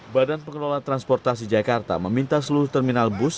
badan pengelola transportasi jakarta meminta seluruh terminal bus